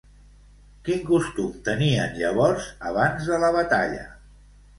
Quin costum tenien llavors abans de la batalla?